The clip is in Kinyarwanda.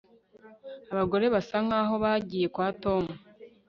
Abagore basa nkaho bagiye kwa Tom